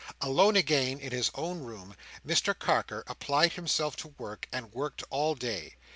Alone again, in his own room, Mr Carker applied himself to work, and worked all day.